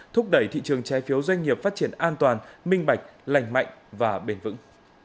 thúc đẩy thị trường trái phiếu doanh nghiệp phát triển an toàn minh bạch lành mạnh và bền vững